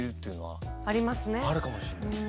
あるかもしれない。